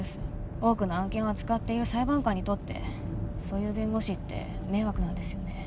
多くの案件を扱っている裁判官にとってそういう弁護士って迷惑なんですよね